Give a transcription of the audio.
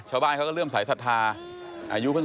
ชาวบ้านเขาก็เริ่มสายศรัทธาอายุเพิ่ง